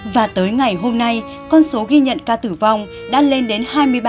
và tới ngày hôm nay con số ghi nhận ca tử vong đã lên đến hai mươi ba bốn trăm bảy mươi sáu